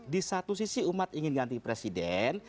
di satu sisi umat ingin ganti presiden